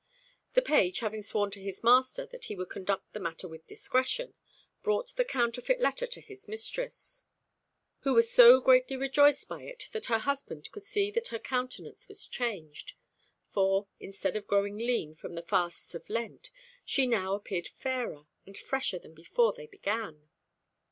The page, having sworn to his master that he would conduct the matter with discretion, (3) brought the counterfeit letter to his mistress, who was so greatly rejoiced by it that her husband could see that her countenance was changed; for, instead of growing lean from the fasts of Lent, she now appeared fairer and fresher than before they began.